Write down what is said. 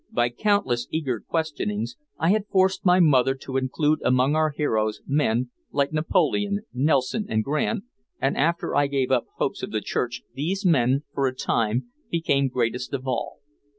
By countless eager questionings I had forced my mother to include among our heroes men like Napoleon, Nelson and Grant, and after I gave up hopes of the church these men for a time became greatest of all.